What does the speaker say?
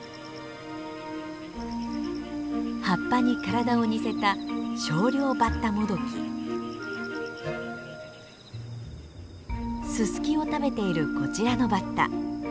葉っぱに体を似せたススキを食べているこちらのバッタ。